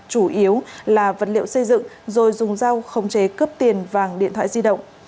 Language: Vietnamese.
chủ yếu là vật liệu xây dựng rồi dùng rau khống chế cướp tiền vàng điện thoại di động